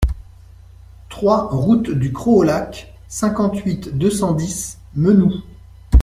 trois rue du Crot du Lac, cinquante-huit, deux cent dix, Menou